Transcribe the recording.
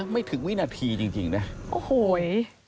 ไม่ถึงวินาทีจริงนะโอ้โห